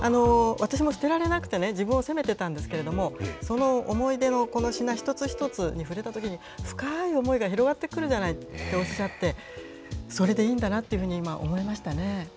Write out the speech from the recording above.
私も捨てられなくてね、自分を責めてたんですけれども、その思い出のこの品一つ一つに触れたときに、深い思いが広がってくるじゃないっておっしゃって、それでいいんだなっていうふうに今、思いましたね。